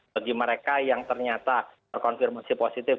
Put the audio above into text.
bagi mereka yang ternyata terkonfirmasi positif